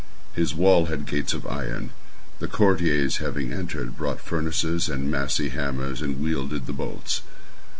This wall had gates of iron. The courtiers, having entered, brought furnaces and massy hammers and welded the bolts.